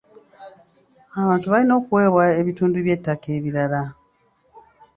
Abantu balina okuweebwa ebitundu by'ettaka ebirala.